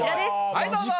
はいどうぞ。